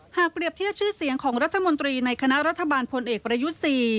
หากเปรียบเทียบชื่อเสียงของรัฐมนตรีในคณะรัฐบาลพลเอกประยุทธ์๔